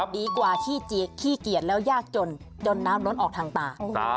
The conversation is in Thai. ดีกว่าขี้เกียจแล้วยากยนต์ยนต์น้ำล้นออกทางตา